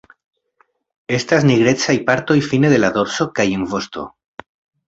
Estas nigrecaj partoj fine de la dorso kaj en vosto.